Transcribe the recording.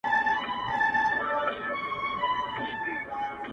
وخته تا هر وخت د خپل ځان په لور قدم ايښی دی،